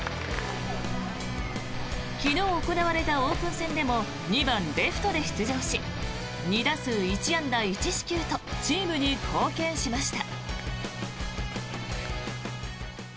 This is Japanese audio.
昨日行われたオープン戦でも２番レフトで出場し２打数１安打１四球とチームに貢献しました。